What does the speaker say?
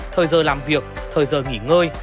thời giờ làm việc thời giờ nghỉ ngơi